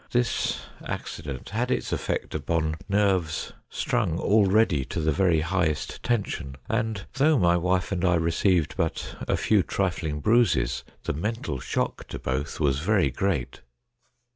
This accident had its effect upon nerves, strung already to the very highest tension, and, though my wife and I received but a few trifling bruises, the mental shock to both was very great.